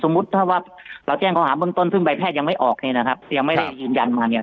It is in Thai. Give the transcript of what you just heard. ถ้าว่าเราแจ้งเขาหาเบื้องต้นซึ่งใบแพทย์ยังไม่ออกเนี่ยนะครับยังไม่ได้ยืนยันมาเนี่ย